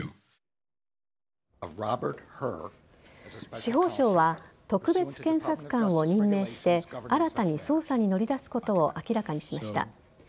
司法省は特別検察官を任命して新たに捜査に乗り出すことを明らかにしました。